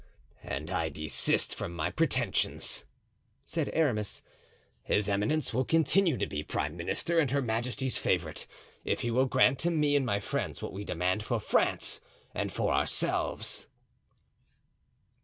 "And I desist from my pretensions," said Aramis. "His eminence will continue to be prime minister and her majesty's favorite, if he will grant to me and my friends what we demand for France and for ourselves."